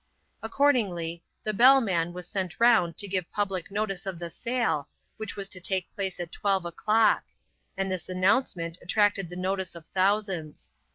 Accordingly, the bellman was sent round to give public notice of the sale, which was to take place at twelve o'clock; and this announcement attracted the notice of thousands.